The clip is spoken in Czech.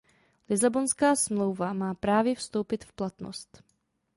Lisabonská smlouva má právě vstoupit v platnost.